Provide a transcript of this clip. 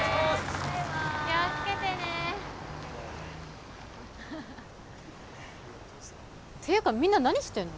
バイバーイ気をつけてねていうかみんな何してんの？